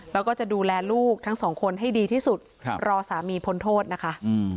แล้วก็จะดูแลลูกทั้งสองคนให้ดีที่สุดครับรอสามีพ้นโทษนะคะ